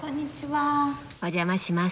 お邪魔します。